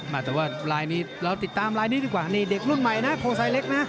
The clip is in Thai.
มาแต่ว่าลายนี้เราติดตามลายนี้ดีกว่านี่เด็กรุ่นใหม่นะโพไซเล็กนะ